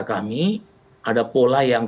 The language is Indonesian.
kami ada pola yang